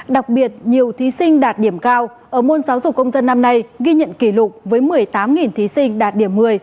đặc biệt nhiều thí sinh đạt điểm cao ở môn giáo dục công dân năm nay ghi nhận kỷ lục với một mươi tám thí sinh đạt điểm một mươi